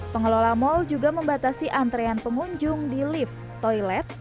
pengelola mal juga membatasi antrean pengunjung di lift toilet